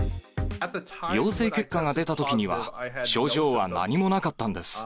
陽性結果が出たときには、症状は何もなかったんです。